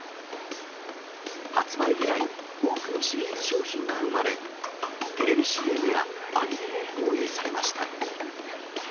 発売以来、多くのシリーズ商品が生まれ、テレビＣＭや、アニメも放映されました。